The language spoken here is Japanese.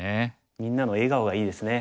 みんなの笑顔がいいですね。